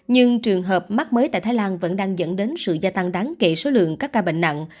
nhưng trường hợp mắc mới tại thái lan vẫn đang dẫn đến sự gia tăng đáng kể số lượng các ca bệnh nặng